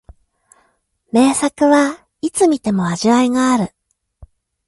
名作はいつ観ても味わいがある